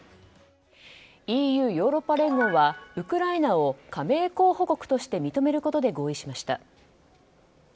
ＥＵ・ヨーロッパ連合はウクライナを加盟候補国として認めることで合意しました。